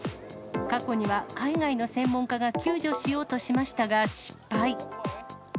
過去には海外の専門家が救助しようとしましたが失敗。